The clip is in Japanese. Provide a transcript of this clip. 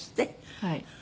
はい。